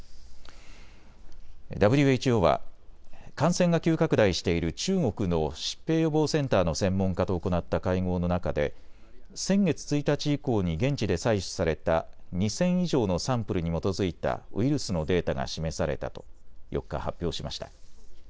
ＷＨＯは感染が急拡大している中国の疾病予防センターの専門家と行った会合の中で先月１日以降に現地で採取された２０００以上のサンプルに基づいたウイルスのデータが示されたと４日、発表しました。